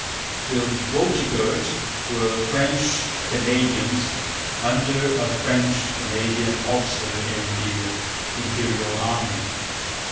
The Voltigeurs were French Canadians under a French Canadian officer in the Imperial Army.